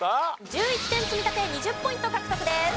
１１点積み立て２０ポイント獲得です。